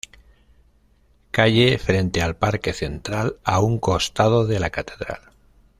Calle, frente al Parque Central, a un costado de la Catedral.